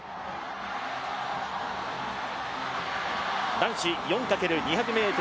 男子４×２００ｍ